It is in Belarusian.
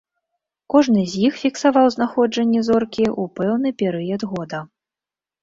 Кожны з іх фіксаваў знаходжанне зоркі ў пэўны перыяд года.